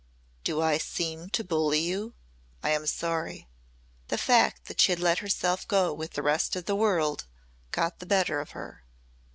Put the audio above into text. "Do I seem to bully you? I am sorry." The fact that she had let herself go with the rest of the world got the better of her.